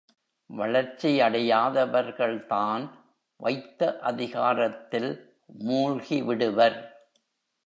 வளர்ச்சியடையாதவர்கள் தான் வைத்த அதிகாரத்தில் மூழ்கிவிடுவர்.